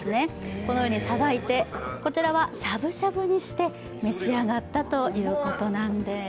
このようにさばいて、しゃぶしゃぶにして召し上がったということなんです。